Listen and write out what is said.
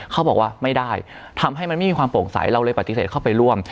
เขาบอกว่าไม่ได้ทำให้มันไม่มีความโปร่งใสเราเลยปฏิเสธเข้าไปร่วม